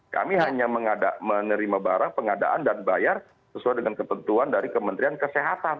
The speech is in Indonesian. kami hanya menerima barang pengadaan dan bayar sesuai dengan ketentuan dari kementerian kesehatan